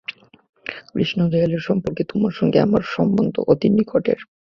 কৃষ্ণদয়ালের সম্পর্কে তোমার সঙ্গে আমার সম্বন্ধ অতি নিকটের।